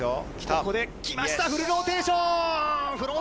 ここできました、フルローテーション。